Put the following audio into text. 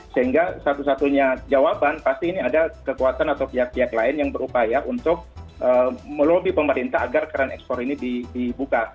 sehingga satu satunya jawaban pasti ini ada kekuatan atau pihak pihak lain yang berupaya untuk melobi pemerintah agar keran ekspor ini dibuka